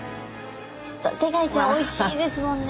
ホタテガイちゃんおいしいですもんね。